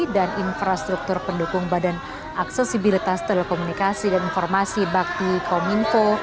dan infrastruktur pendukung badan aksesibilitas telekomunikasi dan informasi bakti kominfo